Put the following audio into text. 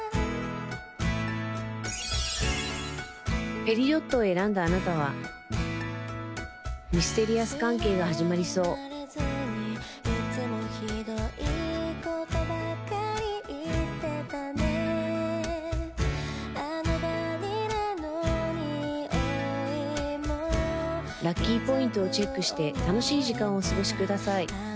ペリドットを選んだあなたはミステリアス関係が始まりそうラッキーポイントをチェックして楽しい時間をお過ごしください